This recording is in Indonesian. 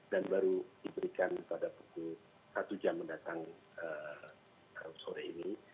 dan baru diberikan pada pukul satu jam mendatang sore ini